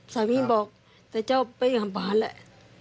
สามีบอกแต่เจ้าไปอ่านบ้านแหละ